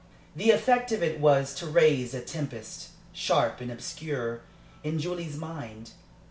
The effect of it was to raise a tempest, sharp and obscure, in Julie's mind.